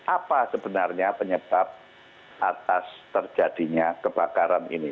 apa sebenarnya penyebab atas terjadinya kebakaran ini